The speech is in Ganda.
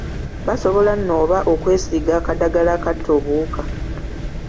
Basobola n’oba okwesiiga akadagala akatta obuwuka.